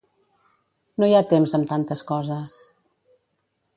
No hi ha temps amb tantes coses.